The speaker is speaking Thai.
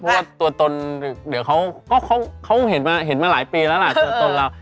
เพราะว่าตัวตนเดี๋ยวเขาก็เห็นมาหลายปีแล้วล่ะตัวตนเรา